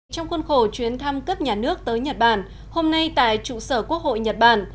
trong khuôn khổ chuyến thăm cấp nhà nước tới nhật bản hôm nay tại trụ sở quốc hội nhật bản